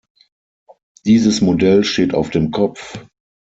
Dieses Modell steht auf dem Kopf.